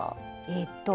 えっと